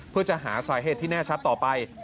เพื่อจะหาสาเหตุที่แน่ชัดต่อไป